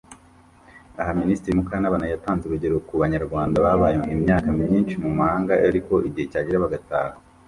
Aha Minisitiri Mukantabana yatanze urugero ku banyarwanda babaye imyaka myinshi mu buhunzi ariko igihe cyagera bagataha